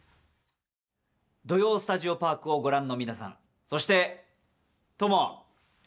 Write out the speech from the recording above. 「土曜スタジオパーク」をご覧の皆さん、そして、智！